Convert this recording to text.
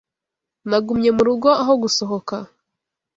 Nagumye mu rugo aho gusohoka.